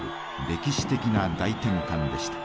歴史的な大転換でした。